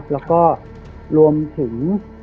แล้วก็รวมถึง